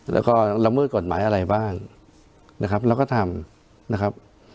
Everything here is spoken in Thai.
แล้วก็ลำเมื่อกฎหมายอะไรบ้างเราก็ทำ